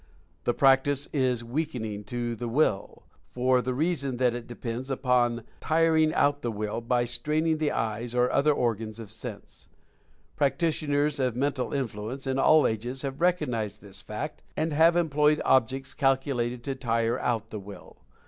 The practice is weakening to the Will, for the reason that it depends upon the tiring out of the Will by straining the eyes or other organs of sense. Practitioners of Mental Influence in all ages have recognized this fact and have employed objects calculated to tire out the Will.